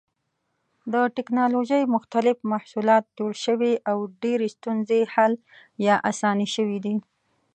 د ټېکنالوجۍ مختلف محصولات جوړ شوي او ډېرې ستونزې حل یا اسانې شوې دي.